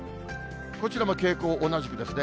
こちらも傾向同じくですね。